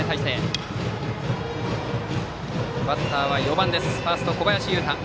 バッターは４番、ファースト小林優太。